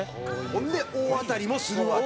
ほんで大当たりもするわけや。